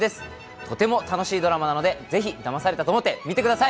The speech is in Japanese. とても楽しいドラマなので、だまされたと思って見てください。